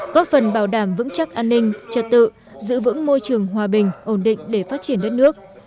góp phần bảo đảm vững chắc an ninh trật tự giữ vững môi trường hòa bình ổn định để phát triển đất nước